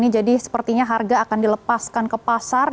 jadi sepertinya harga akan dilepaskan ke pasar